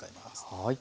はい。